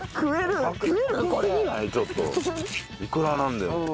いくらなんでも。